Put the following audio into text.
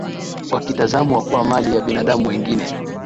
wakitazamwa kuwa mali ya binadamu wengine